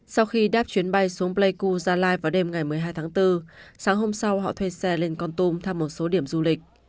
sau khi đáp chuyến bay xuống pleiku gia lai vào đêm ngày một mươi hai tháng bốn sáng hôm sau họ thuê xe lên con tum thăm một số điểm du lịch